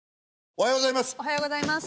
おはようございます。